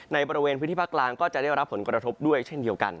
ในบริเวณพื้นที่ภาคกลางก็จะได้รับผลกระทบด้วยเช่นเดียวกัน